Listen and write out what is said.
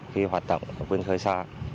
khi hoạt động ở quân khởi xã